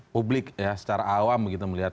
publik secara awam melihat